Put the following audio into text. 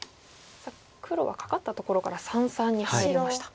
黒はカカったところから三々に入りました。